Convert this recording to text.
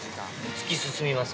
突き進みます